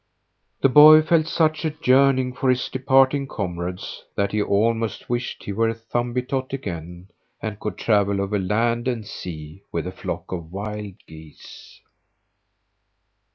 The boy felt such a yearning for his departing comrades that he almost wished he were Thumbietot again and could travel over land and sea with a flock of wild geese.